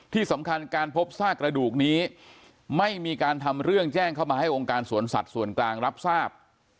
ที่สำคัญการพบซากระดูกนี้ไม่มีการทำเรื่องแจ้งเข้ามาให้องค์การสวนสัตว์ส่วนกลางรับทราบ